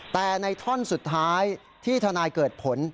แต่ในท่อนสุดท้ายที่ทนายเกิดผล